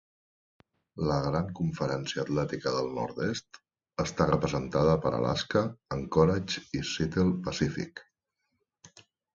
La Gran Conferència Atlètica del Nord-oest està representada per Alaska-Anchorage i Seattle Pacific.